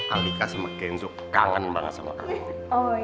alika sama kenzo kangen banget sama kamu